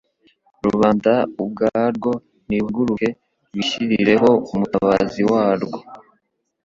Rubanda ubwarwo niruhaguruke rwishyirireho umutabazi warwo.